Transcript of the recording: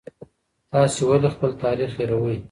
تاسې ولې خپل تاریخ هېروئ؟